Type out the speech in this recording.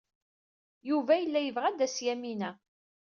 Yuba yella yebɣa ad d-tas Yamina.